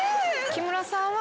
木村さんは。